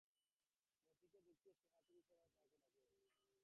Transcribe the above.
মতিকে দেখিয়া সে হাতের ইশারায় তাহাকে কাছে ডাকে।